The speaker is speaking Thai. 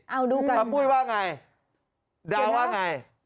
เอาดูกันมันพูดว่าไงดาวว่าไงใครถูกใครผิด